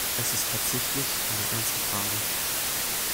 Es ist tatsächlich eine ernste Frage.